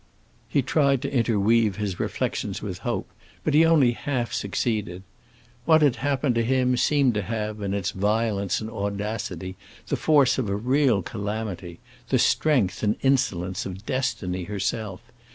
He tried to interweave his reflections with hope, but he only half succeeded. What had happened to him seemed to have, in its violence and audacity, the force of a real calamity—the strength and insolence of Destiny herself.